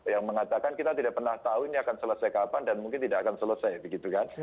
yang mengatakan kita tidak pernah tahu ini akan selesai kapan dan mungkin tidak akan selesai begitu kan